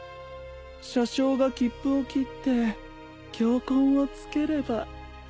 車掌が切符をきって鋏痕をつければ